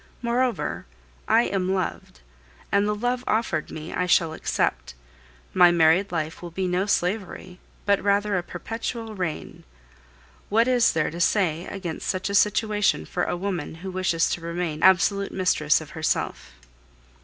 "Moreover, I am loved, and the love offered me I shall accept. My married life will be no slavery, but rather a perpetual reign. What is there to say against such a situation for a woman who wishes to remain absolute mistress of herself?"